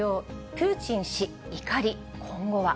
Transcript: プーチン氏怒り、今後は。